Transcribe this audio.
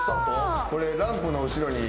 これランプの後ろに。